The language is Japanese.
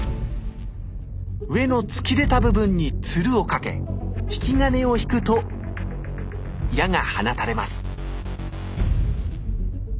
上の突き出た部分にツルをかけ引き金を引くと矢が放たれます